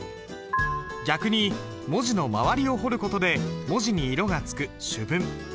逆に文字の周りを彫る事で文字に色がつく朱文。